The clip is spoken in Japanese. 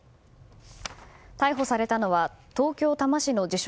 逮捕されたのは東京・多摩市の自称